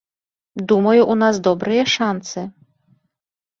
Думаю, у нас добрыя шанцы.